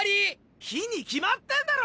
火に決まってんだろ！